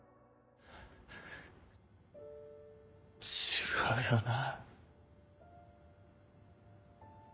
違うよな。